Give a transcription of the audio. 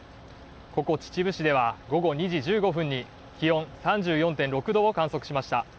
ここ秩父市では午後２時１５分に気温３４．６度を観測しました。